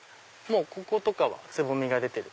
こことかはつぼみが出てる。